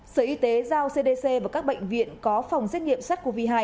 sở y tế giao cdc và các bệnh viện có phòng xét nghiệm sars cov hai